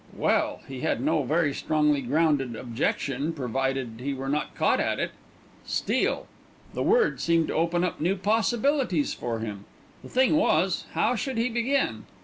Well, he had no very strongly grounded objection, provided he were not caught at it. Steal! The word seemed to open up new possibilities for him. The thing was, how should he begin?